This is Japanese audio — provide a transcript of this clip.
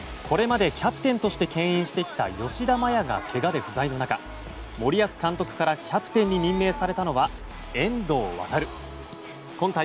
これまで、キャプテンとして牽引してきた吉田麻也がけがで不在の中森保監督からキャプテンに任命されたのは遠藤航。